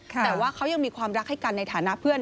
แต่ว่าเขายังมีความรักให้กันในฐานะเพื่อน